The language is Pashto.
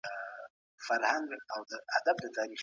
هيچاته اجازه ورنه کړو، چي د اویایمي لسیزي د جګړو